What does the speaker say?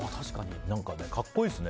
格好いいですね。